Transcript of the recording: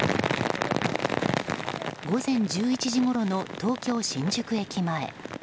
午前１１時ごろの東京・新宿駅前。